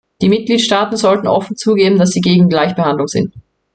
Die Mitgliedstaaten sollten offen zugeben, dass sie gegen Gleichbehandlung sind.